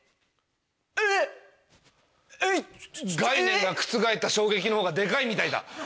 えぇ⁉概念が覆った衝撃のほうがデカいみたいだ。